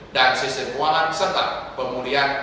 dan sistem keuangan serta pemulihan